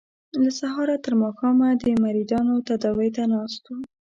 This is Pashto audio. له سهاره تر ماښامه د مریضانو تداوۍ ته ناست وو.